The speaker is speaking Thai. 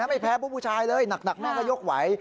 ไม่แพ้พวกผู้ชายเลยหนักแม่ก็ยกไหว